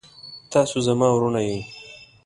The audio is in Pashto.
تاسو زما وروڼه يې.